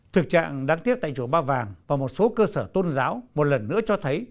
thực trạng đáng tiếc tại chùa ba vàng và một số cơ sở tôn giáo một lần nữa cho thấy